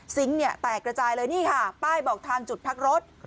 เนี่ยแตกระจายเลยนี่ค่ะป้ายบอกทางจุดพักรถ